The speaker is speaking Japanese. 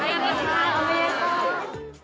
おめでとう。